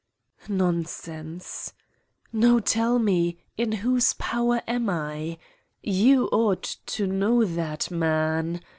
Nonsense. No, tell me, in whose power am If You ought to know that man?